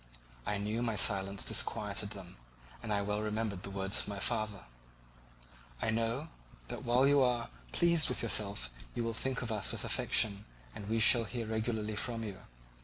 I knew my silence disquieted them, and I well remembered the words of my father: "I know that while you are pleased with yourself you will think of us with affection, and we shall hear regularly from you.